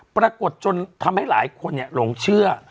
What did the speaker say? ปรากฏจนทำให้หลายคนหลงเชื่อ